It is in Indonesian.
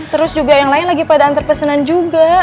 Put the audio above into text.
terus juga yang lain lagi pada antar pesanan juga